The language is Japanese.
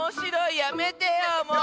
やめてよもう。